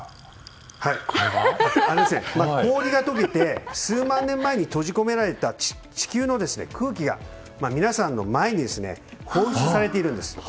氷が解けて、数万年前に閉じ込められた地球の空気が皆さんの前に放出されているんです。